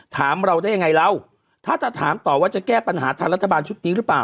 ถามเราได้ยังไงเราถ้าจะถามต่อว่าจะแก้ปัญหาทางรัฐบาลชุดนี้หรือเปล่า